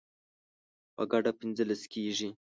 په ګډه پنځلس کیږي